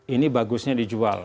ini bagusnya dijual